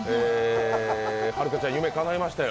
はるかちゃん、夢かないましたよ。